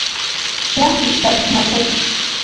Xiajti — tla tikmachotis.